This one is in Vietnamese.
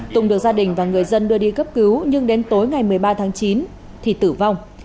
tùng được gia đình và người dân đưa đi cấp cứu nhưng đến tối ngày một mươi ba tháng chín thì tử vong